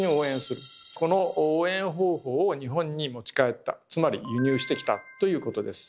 この応援方法を日本に持ち帰ったつまり輸入してきたということです。